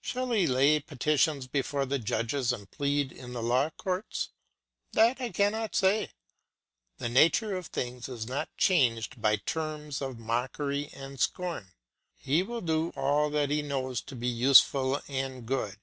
Shall he lay petitions before the judges and plead in the law courts? That I cannot say. The nature of things is not changed by terms of mockery and scorn. He will do all that he knows to be useful and good.